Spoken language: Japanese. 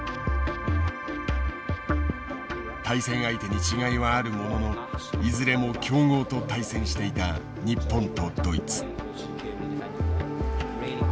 対戦相手に違いはあるもののいずれも強豪と対戦していた日本とドイツ。